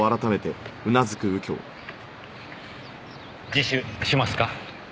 自首しますか？